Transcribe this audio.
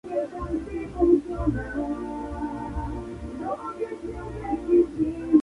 Su período de aprendiz duró dos años.